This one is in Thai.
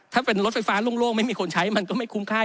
ถ้าเป็นรถไฟฟ้าโล่งไม่มีคนใช้มันก็ไม่คุ้มค่า